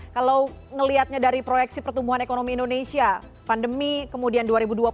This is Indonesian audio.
kalau melihatnya dari proyeksi pertumbuhan ekonomi indonesia pandemi kemudian dua ribu dua puluh